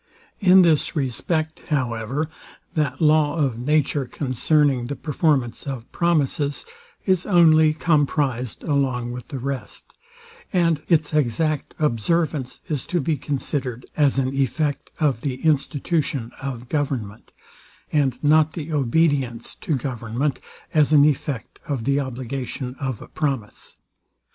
In this respect, however, that law of nature, concerning the performance of promises, is only comprized along with the rest; and its exact observance is to be considered as an effect of the institution of government, and not the obedience to government as an effect of the obligation of a promise.